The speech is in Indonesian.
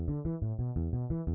tidak bisa diandalkan